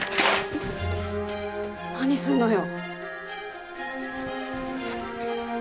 何すんのよ。